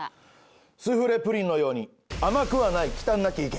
スフレ・プリンのように甘くはない忌憚なき意見。